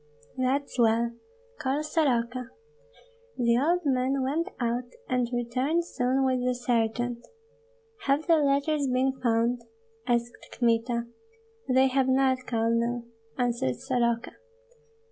"That's well. Call Soroka!" The old man went out, and returned soon with the sergeant. "Have the letters been found?" asked Kmita. "They have not, Colonel," answered Soroka.